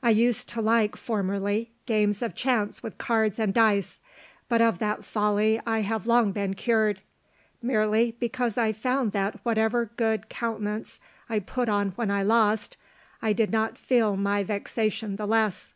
"I used to like formerly games of chance with cards and dice; but of that folly I have long been cured; merely because I found that whatever good countenance I put on when I lost, I did not feel my vexation the less."